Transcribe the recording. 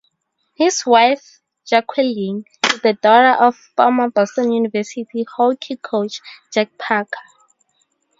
His wife, Jaqueline, is the daughter of former Boston University hockey coach Jack Parker.